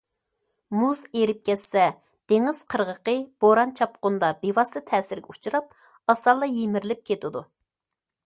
مۇز ئېرىپ كەتسە، دېڭىز قىرغىقى بوران- چاپقۇندا بىۋاسىتە تەسىرگە ئۇچراپ، ئاسانلا يىمىرىلىپ كېتىدۇ.